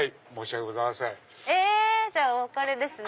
じゃあお別れですね。